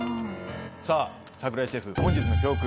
さぁ櫻井シェフ本日の教訓